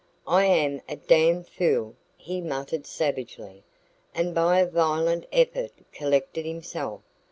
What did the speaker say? "I am a damned fool!" he muttered savagely, and by a violent effort collected himself.